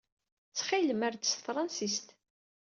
Ttxil-m, err-d s tefṛansist.